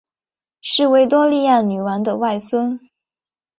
是维多利亚女王的外孙。